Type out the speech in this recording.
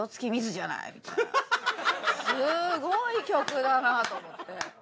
すごい曲だなと思って。